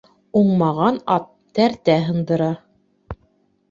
Уңмаған ат тәртә һындыра